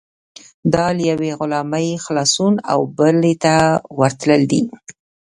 دا له یوې غلامۍ خلاصون او بلې ته ورتلل دي.